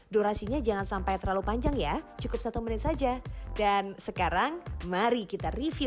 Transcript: durasinya jangan sampai terlalu panjang ya cukup satu menit saja dan sekarang mari kita review